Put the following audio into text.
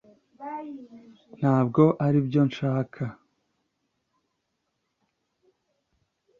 Ntabwo aribyo nshaka